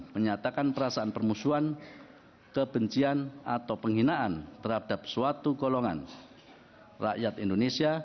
menyatakan perasaan permusuhan kebencian atau penghinaan terhadap suatu golongan rakyat indonesia